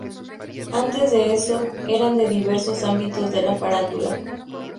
Antes de eso, eran de diversos ámbitos de la Farándula.